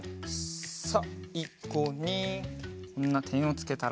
さいごにこんなてんをつけたら。